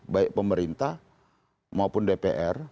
baik pemerintah maupun dpr